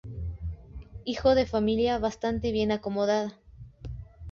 Hijo de familia bastante bien acomodada.